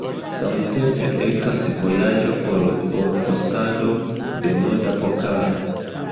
Samtempe ekas vojaĝo por orfosado de Monda Pokalo.